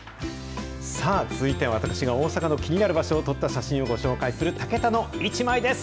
さあ、続いては私が大阪の気になる場所を撮った写真をご紹介するタケタのイチマイです。